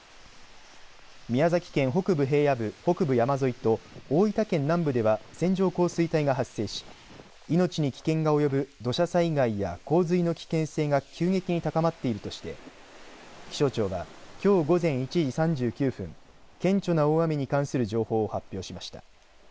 宮崎県北部平野部、北部山沿いと大分県南部では線状降水帯が発生し命に危険が及ぶ土砂災害や洪水の危険性が急激に高まっているとして気象庁はきょう午前１時３９分顕著な大雨に関する情報を発表しました。